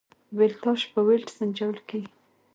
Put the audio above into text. ولتاژ په ولټ سنجول کېږي.